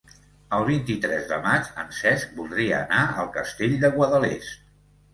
El vint-i-tres de maig en Cesc voldria anar al Castell de Guadalest.